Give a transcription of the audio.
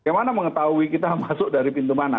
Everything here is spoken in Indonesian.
bagaimana mengetahui kita masuk dari pintu mana